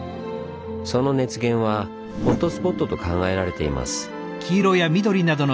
その熱源はホットスポットと考えられています。